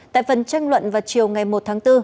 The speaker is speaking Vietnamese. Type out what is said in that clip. tại phần tranh luận vào chiều ngày một tháng bốn